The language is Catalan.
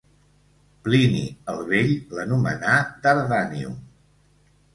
Plini el Vell l'anomenà Dardanium.